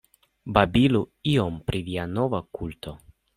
Babilu iom pri via nova kulto.